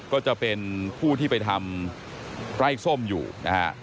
ก็จะเป็นผู้ที่ไปทำไร่ส้มอยู่นะฮะ